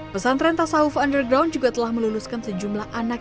pesantren tasawuf underground juga telah meluluskan sejumlah anak